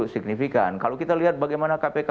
signifikan kalau kita lihat bagaimana kpk